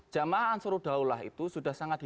jamaah ansarul daulah itu sudah sangat dinamis